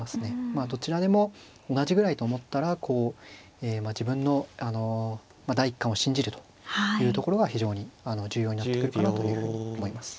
まあどちらでも同じぐらいと思ったらこうえ自分のあの第一感を信じるというところは非常に重要になってくるかなというふうに思います。